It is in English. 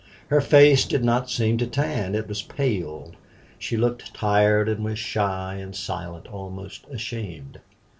Her face did not seem to tan. It was pale. She looked tired, and was shy and silent, almost ashamed.